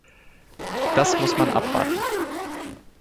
Das muss man abwarten.